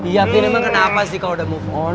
ya tapi ini emang kenapa sih kalau udah move on